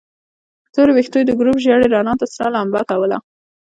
تورو ويښتو يې د ګروپ ژېړې رڼا ته سره لمبه کوله.